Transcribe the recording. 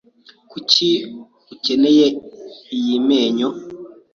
Kuki ukeneye iyi menyo?